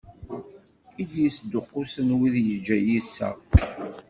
I d-yesduqqusen wid yeǧǧa yiseɣ.